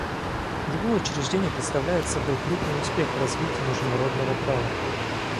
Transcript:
Его учреждение представляет собой крупный успех в развитии международного права.